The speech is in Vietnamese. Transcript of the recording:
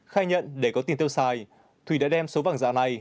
khai nhận để có tiền tiêu xài thủy đã đem số vàng giả này